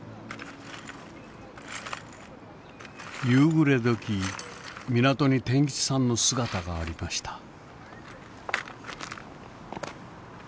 夕暮れ時港に天吉さんの姿がありました。